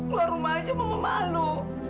keluar rumah aja mau malu